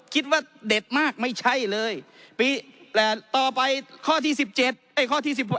คิดว่าเด็ดมากไม่ใช่เลยปีและต่อไปข้อที่สิบเจ็ดเอ้ยข้อที่สิบ